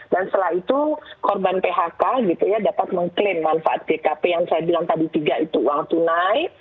dan setelah itu korban phk gitu ya dapat mengklaim manfaat jkp yang saya bilang tadi tiga itu uang tunai